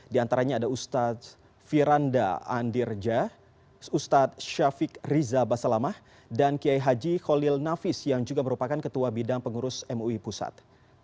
di antaranya ada ustadz firanda andirja ustadz syafiq riza basalamah dan kiai haji khalil nafis yang juga merupakan ketua bidang pengurus mui pusat